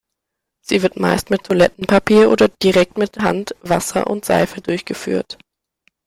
Sie wird meist mit Toilettenpapier oder direkt mit Hand, Wasser und Seife durchgeführt.